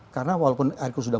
karena walaupun aircrew sudah